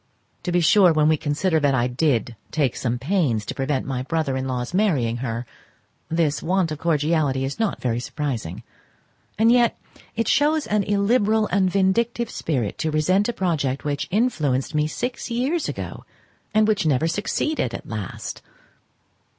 To be sure, when we consider that I did take some pains to prevent my brother in law's marrying her, this want of cordiality is not very surprizing, and yet it shows an illiberal and vindictive spirit to resent a project which influenced me six years ago, and which never succeeded at last.